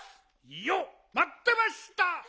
いよっまってました！